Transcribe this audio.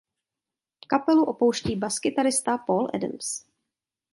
Kapelu opouští baskytarista Paul Adams.